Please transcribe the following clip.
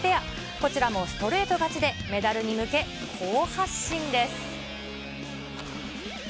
こちらもストレート勝ちで、メダルに向け、好発進です。